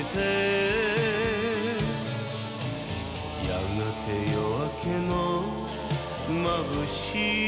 「やがて夜明けのまぶしさに」